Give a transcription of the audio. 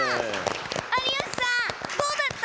有吉さん、どうだった？